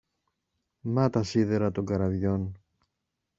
Με τα σίδερα των καραβιών.